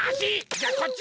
じゃこっち！